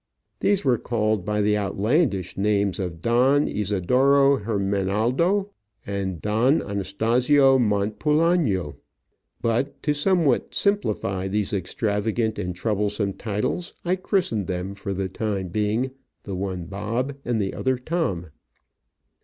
These were called by the outlandish names of Don Isidoro Hermenaldo and Don Anastasio Montpulano, but, to somewhat simplify these extravagant and troublesome titles, I christened them, for the time being, the one Bob and the other Tom.